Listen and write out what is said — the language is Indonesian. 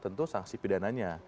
tentu sanksi pidananya